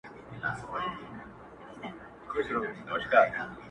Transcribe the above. همدا دي خدايه كړغـــــــېــــــړن لاسونه;